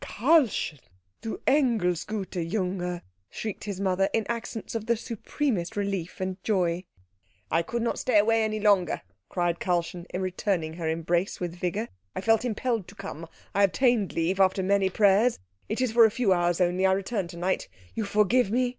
"Karlchen! Du engelsgute Junge!" shrieked his mother, in accents of supremest relief and joy. "I could not stay away longer," cried Karlchen, returning her embrace with vigour, "I felt impelled to come. I obtained leave after many prayers. It is for a few hours only. I return to night. You forgive me?"